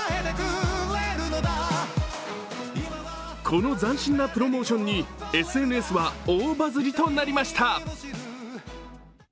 この斬新なプロモーションにＳＮＳは大バズりとなりました。